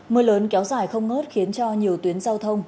mưa lớn kéo dài không ngớt khiến cho nhiều tuyến giao thông